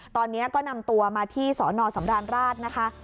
ตอนนี้ก็นำตัวมาที่สนสำราญราชนะคะ